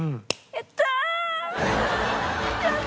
やったー！